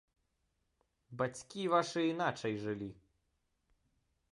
Бацькі вашы іначай жылі!